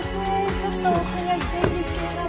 ちょっとお伺いしたいんですけれども。